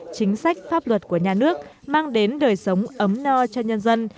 chính sách pháp luật của nhà nước mang đến đời sống ấm no cho nhân dân